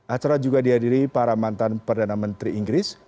acara juga dihadiri para mantan perdana menteri inggris